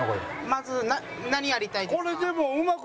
まず何やりたいですか？